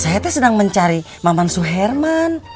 saya tuh sedang mencari mamansu herman